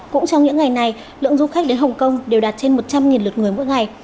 cũng trong những ngày này lượng du khách đến hồng kông đều đạt trên một trăm linh lượt người mỗi ngày